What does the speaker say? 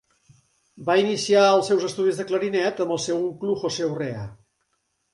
Va iniciar els seus estudis de clarinet amb el seu oncle José Urrea.